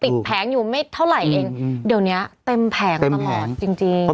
ติดแผงอยู่ไม่เท่าไหร่เองเดี๋ยวนี้เต็มแผงประมาณ